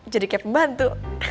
jadi kayak pembantu